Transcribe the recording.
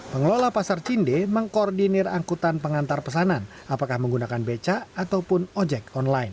pengelola pasar cinde mengkoordinir angkutan pengantar pesanan apakah menggunakan beca ataupun ojek online